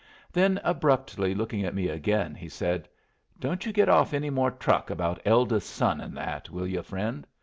Then abruptly looking at me again, he said: "Don't you get off any more truck about eldest son and that, will yu', friend?